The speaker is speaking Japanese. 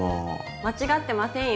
間違ってませんよ。